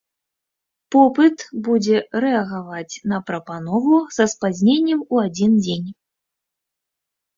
Попыт будзе рэагаваць на прапанову са спазненнем у адзін дзень.